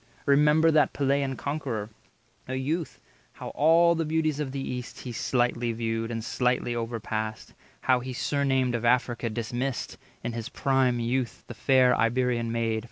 Remember that Pellean conqueror, A youth, how all the beauties of the East He slightly viewed, and slightly overpassed; How he surnamed of Africa dismissed, In his prime youth, the fair Iberian maid.